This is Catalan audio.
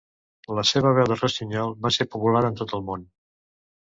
La seva veu de rossinyol va ser popular en tot el món.